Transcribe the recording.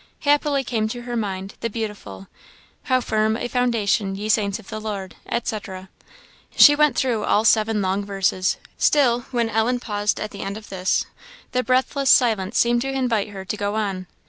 Happily came to her mind the beautiful "How firm a foundation, ye saints of the Lord," &c. She went through all seven long verses. Still when Ellen paused at the end of this, the breathless silence seemed to invite her to go on.